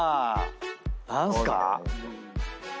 何すか？